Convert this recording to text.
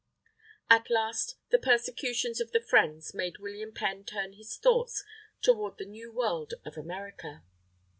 At last, the persecutions of the Friends made William Penn turn his thoughts toward the New World of America.